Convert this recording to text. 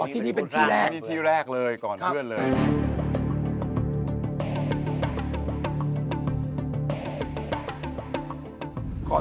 อ๋อที่นี่เป็นที่แรกเลยก่อนเพื่อนเลยครับอ๋อที่นี่เป็นที่แรกเลย